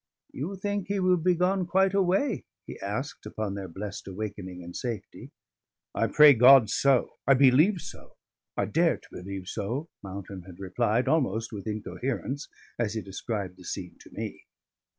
"You think he will be gone quite away?" he asked, upon their blest awakening in safety. "I pray God so, I believe so, I dare to believe so," Mountain had replied almost with incoherence, as he described the scene to me.